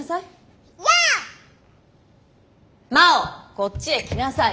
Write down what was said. こっちへ来なさい。